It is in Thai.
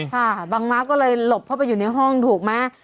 ค่ะบางม้าก็เลยหลบเข้าไปอยู่ในห้องถูกไหม